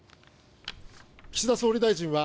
岸田総理大臣は